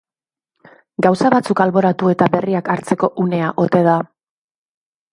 Gauza batzuk alboratu eta berriak hartzeko une ote da?